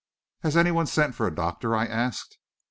"Has anyone sent for a doctor?" I asked.